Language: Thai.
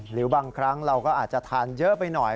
หรือบางครั้งเราก็อาจจะทานเยอะไปหน่อย